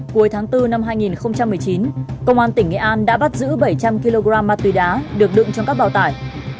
cuối tháng bốn năm hai nghìn một mươi chín công an tỉnh nghệ an đã bắt giữ bảy trăm linh kg ma túy đá được đựng trong các bào tải